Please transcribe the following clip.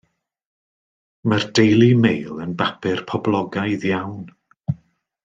Mae'r Daily Mail yn bapur poblogaidd iawn.